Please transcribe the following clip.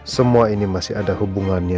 semua ini masih ada hubungannya